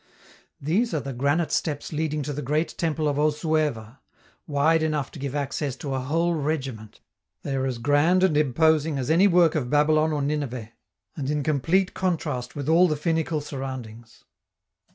These are the granite steps leading to the great temple of Osueva, wide enough to give access to a whole regiment; they are as grand and imposing as any work of Babylon or Nineveh, and in complete contrast with all the finical surroundings.